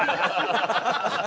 ハハハハ！